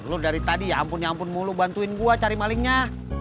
lu dari tadi ya ampun ampun mulu bantuin gua cari malingnya